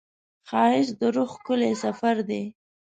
ښایست د روح ښکلی سفر دی